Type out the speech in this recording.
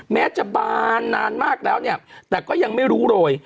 แม้จะบานนานมากแล้วเนี่ยแต่ก็ยังไม่รู้โรย